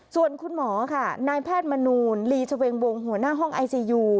ส่วนคุณหมอค่ะนายแพทย์มนูลลีชเวงวงหัวหน้าห้องไอซียู